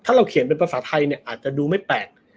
อาการเขียนเป็นภาษาไทยอาจดูจะไม่แปลก